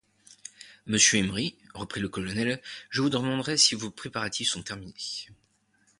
Monsieur Emery, reprit le colonel, je vous demanderai si vos préparatifs sont terminés.